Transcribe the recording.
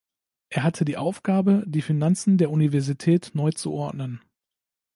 Er hatte die Aufgabe, die Finanzen der Universität neu zu ordnen.